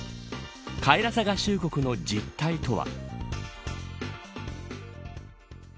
カイラサ合衆国の実態とは。